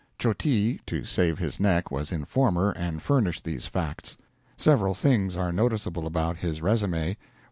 Chotee (to save his neck) was informer, and furnished these facts. Several things are noticeable about his resume.